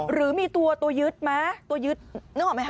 หรือมีตัวตัวยึดไหมตัวยึดนึกออกไหมค